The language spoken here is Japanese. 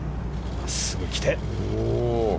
真っすぐ来て。